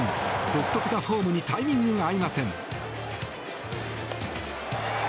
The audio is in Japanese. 独特なフォームにタイミングが合いません。